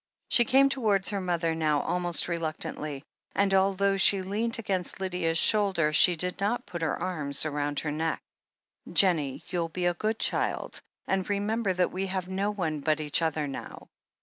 She came towards her mother now almost reluctantly, and although she leant against Lydia's shoulder, she did not put her arms round her neck. "Jennie, you'll be a good child, and remember that we have no one but each other, now?"